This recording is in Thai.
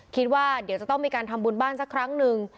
คิดว่าเดี๋ยวจะต้องมีการทำบุญบ้านสักครั้งหนึ่ง